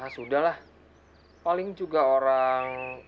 sudahlah paling juga orang